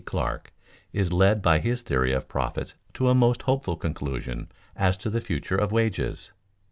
Clark, is led by his theory of profits to a most hopeful conclusion as to the future of wages.